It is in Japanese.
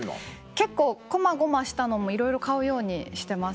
結構こまごましたのもいろいろ買うようにしてます。